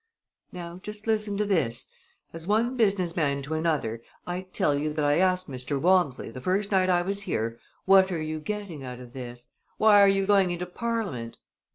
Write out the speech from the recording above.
"Now just listen to this: As one business man to another, I tell you that I asked Mr. Walmsley, the first night I was here: 'What are you getting out of this? Why are you going into Parliament?'